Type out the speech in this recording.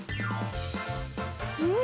うん！